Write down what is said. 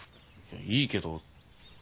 いいけど。